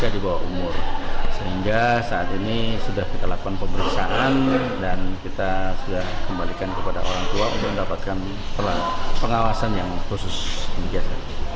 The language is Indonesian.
dan kemudian mereka dikembalikan ke rumah dan mendapatkan pengawasan yang khusus